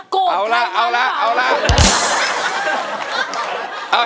โกคลังว่ะเอาล่ะเอาล่ะ